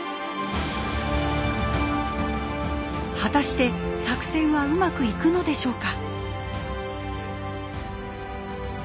果たして作戦はうまくいくのでしょうか。